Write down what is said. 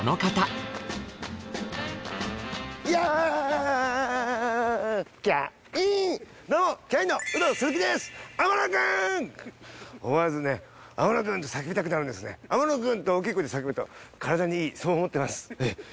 天野くん！って大きい声で叫ぶと体にいいそう思ってます。